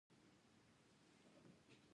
د دې لپاره چې زه په دې معامله کې تاوان ونه کړم